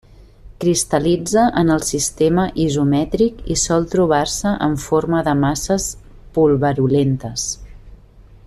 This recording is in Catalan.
Cristal·litza en el sistema isomètric i sol trobar-se en forma de masses pulverulentes.